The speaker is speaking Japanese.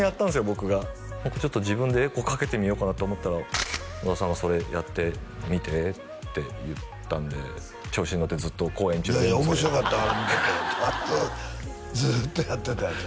僕がちょっと自分でエコーかけてみようかなと思ったら野田さんが「それやってみて」って言ったんで調子に乗ってずっと公演中全部それ面白かったあれ見ててずーっとやってたよね